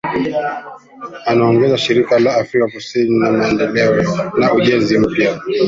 Anaongoza Shirika la Afrika Kusini la Maendeleo na Ujenzi Mpya